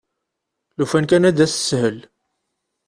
Lufan kan ad d-tas teshel!